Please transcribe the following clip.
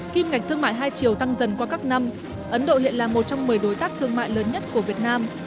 kim ngạch thương mại hai triệu tăng dần qua các năm ấn độ hiện là một trong một mươi đối tác thương mại lớn nhất của việt nam